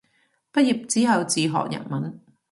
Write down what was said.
畢業之後自學日文